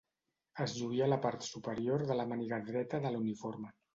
Es lluïa a la part superior de la màniga dreta de l'uniforme.